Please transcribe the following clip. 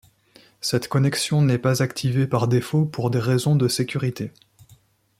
Cette connexion n'est pas activée par défaut pour des raisons de sécurité.